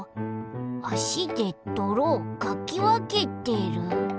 あしでどろをかきわけてる？